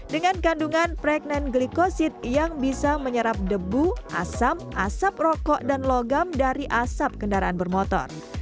dengan kandungan preknen glikosit yang bisa menyerap debu asam asap rokok dan logam dari asap kendaraan bermotor